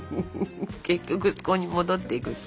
結局そこに戻っていく。